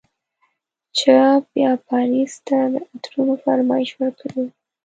چا بیا پاریس ته د عطرونو فرمایش ورکړی و.